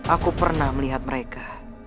aku pernah melihat mereka